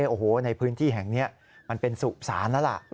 โอ้โหในพื้นที่แห่งนี้มันเป็นสุสานแล้วล่ะ